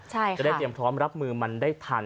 จะได้เตรียมพร้อมรับมือมันได้ทัน